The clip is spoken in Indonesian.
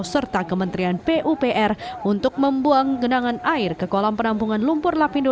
serta kementerian pupr untuk membuang genangan air ke kolam penampungan lumpur lapindo